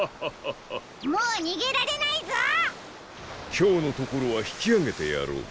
きょうのところはひきあげてやろう。